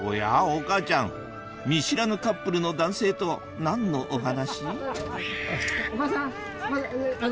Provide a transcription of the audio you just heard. お母ちゃん見知らぬカップルの男性と何のお話？